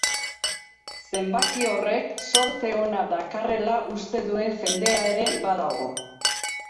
Zenbaki horrek zorte ona dakarrela uste duen jendea ere badago.